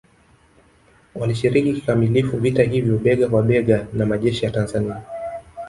Walishiriki kikamilifu vita hivyo bega kwa bega na majeshi ya Tanzania